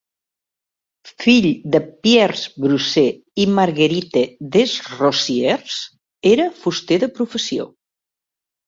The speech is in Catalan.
Fill de Pierre Bruce i Marguerite Desrosiers, era fuster de professió.